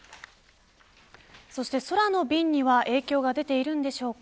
そして空の便には影響が出ているんでしょうか。